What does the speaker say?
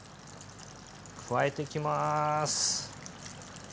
加えていきます。